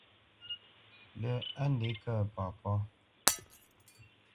Lə́ á ndě kə̂ papá ?